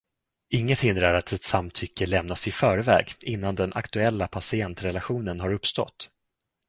Inget hindrar att ett samtycke lämnas i förväg innan den aktuella patientrelationen har uppstått.